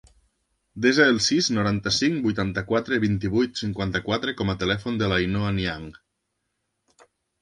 Desa el sis, noranta-cinc, vuitanta-quatre, vint-i-vuit, cinquanta-quatre com a telèfon de l'Ainhoa Niang.